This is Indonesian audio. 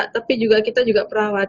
tapi kita juga perawat